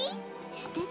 すてき？